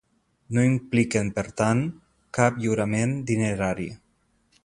No impliquen, per tant, cap lliurament dinerari.